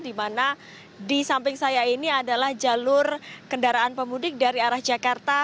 di mana di samping saya ini adalah jalur kendaraan pemudik dari arah jakarta